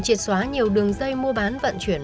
triệt xóa nhiều đường dây mua bán vận chuyển